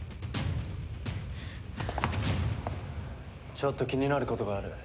ちょっと気になることがある。